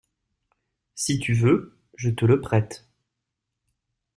Si tu veux, je te le prête.